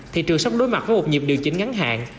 thị trường sắp đối mặt với một nhịp điều chỉnh ngắn hạn